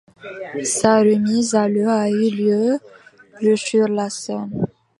Sa remise à l'eau a eu lieu le sur la Seine.